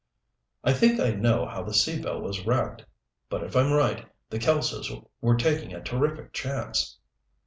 "I think I know how the Sea Belle was wrecked. But if I'm right, the Kelsos were taking a terrific chance."